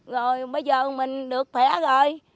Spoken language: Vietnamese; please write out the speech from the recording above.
rồi bây giờ mình được phẻ rồi